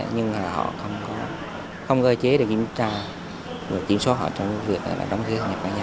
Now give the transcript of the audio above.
nhưng họ không gây chế để kiểm tra kiểm soát họ trong việc đóng kế hoạch nhập ra nhau